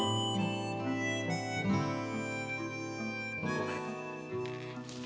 ごめん。